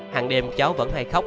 hằng đêm cháu vẫn hay khóc